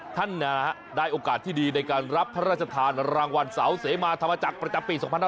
ท่านได้โอกาสที่ดีในการรับพระราชทานรางวัลเสาเสมาธรรมจักรประจำปี๒๕๖๒